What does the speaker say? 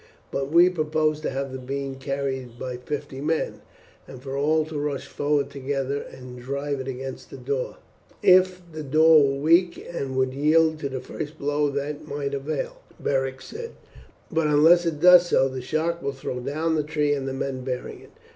"But we propose to have the beam carried by fifty men, and for all to rush forward together and drive it against the door." "If the door were weak and would yield to the first blow that might avail," Beric said; "but unless it does so the shock will throw down the tree and the men bearing it.